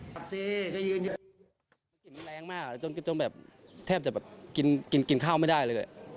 มันแรงมากจนแทบจะแบบกินข้าวไม่ได้เลย